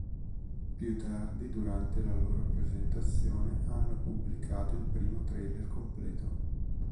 Più tardi durante la loro presentazione hanno pubblicato il primo trailer completo.